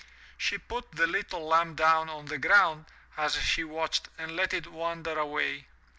She put the little lamb down on the ground as she watched and let it wander away.